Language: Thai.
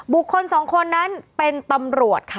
บุคคลสองคนนั้นเป็นตำรวจค่ะ